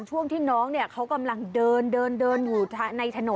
ช่วงที่น้องเขากำลังเดินอยู่ในถนน